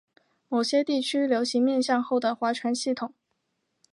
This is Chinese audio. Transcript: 某些地区流行面向后的划船系统。